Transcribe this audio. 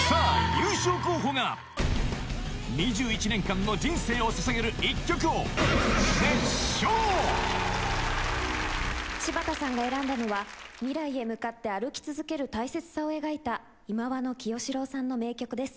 優勝候補が２１年間の人生をささげる一曲を柴田さんが選んだのは未来へ向かって歩き続ける大切さを描いた忌野清志郎さんの名曲です。